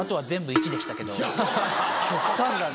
極端だね。